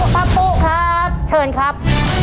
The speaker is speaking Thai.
ป้าปุ๊ครับเชิญครับ